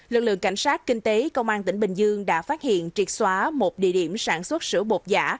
lực lượng cảnh sát kinh tế công an tỉnh bình dương đã phát hiện triệt xóa một địa điểm sản xuất sữa bột giả